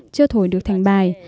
chưa thổi được thành bài